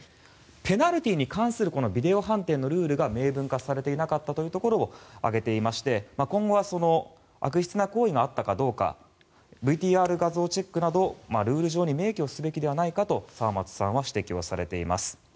ペナルティーに関するビデオ判定のルールが明文化されていなかったというところを挙げていまして今後は悪質な行為があったかどうかＶＴＲ画像チェックなどルール上に明記をすべきではないかと沢松さんは指摘をされています。